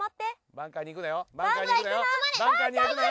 バンカーに行くなよ。